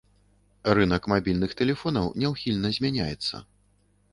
Рынак мабільных тэлефонаў няўхільна змяняецца.